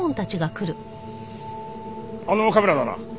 あのカメラだな。